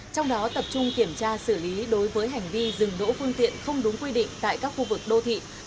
trong đó tập trung kiểm tra xử lý đối với hành vi dừng đỗ phương tiện không đúng quy định tại các khu vực đô thị